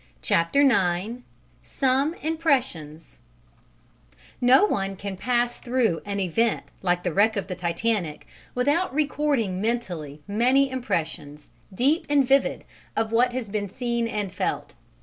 CHAPTER IX SOME IMPRESSIONS No one can pass through an event like the wreck of the Titanic without recording mentally many impressions, deep and vivid, of what has been seen and felt.